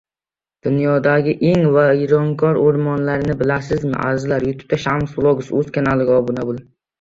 Dunyodagi eng vayronkor o‘rmonlarni bilasizmi?